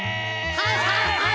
はいはい。